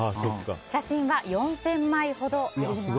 写真は４０００枚ほどあります。